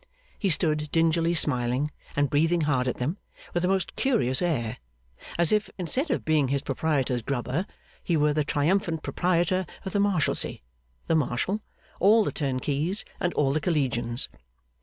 He stood dingily smiling, and breathing hard at them, with a most curious air; as if, instead of being his proprietor's grubber, he were the triumphant proprietor of the Marshalsea, the Marshal, all the turnkeys, and all the Collegians.